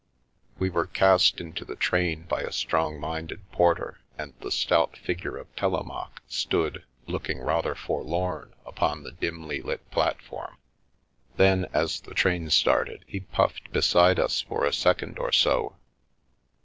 " We were cast into the train by a strong minded porter, and the stout figure of Telemaque stood, looking rather forlorn, upon the dimly lit platform. Then, as the train started, he puffed beside us for a second or so.